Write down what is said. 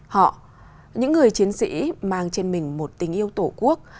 họ những người chiến sĩ mang trên mình một tình yêu tổ quốc